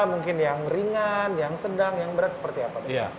mungkin yang ringan yang sedang yang berat seperti apa dok